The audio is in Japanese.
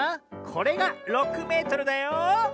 これが６メートルだよ。